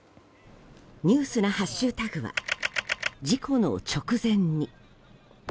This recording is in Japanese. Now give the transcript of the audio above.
ニュースなハッシュタグは「＃事故の直前に」。